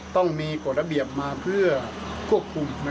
ต้องมีกฎระเบียบมาเพื่อควบคุม